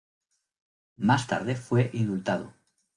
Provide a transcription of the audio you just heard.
Más tarde fue indultado.